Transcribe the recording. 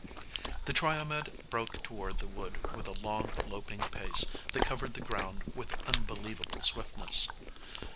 The Triomed broke toward the wood with a long loping pace that covered the ground with unbelievable swiftness.